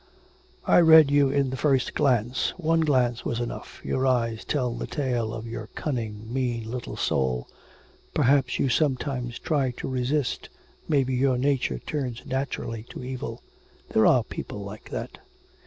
'I read you in the first glance, one glance was enough, your eyes tell the tale of your cunning, mean little soul. Perhaps you sometimes try to resist, maybe your nature turns naturally to evil. There are people like that.'